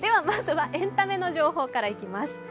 まずはエンタメの情報からいきます。